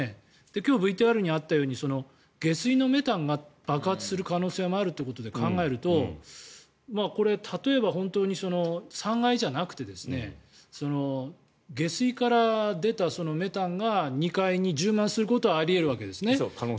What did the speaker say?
今日ＶＴＲにあったように下水のメタンが爆発する可能性もあるということで考えると例えば本当に３階じゃなくて下水から出たメタンが２階に充満することはあり得るわけですね。